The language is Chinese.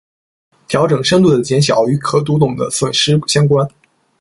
调制深度的减小与可懂度的损失相关。